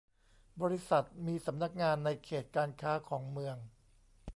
บริษัทมีสำนักงานในเขตการค้าของเมือง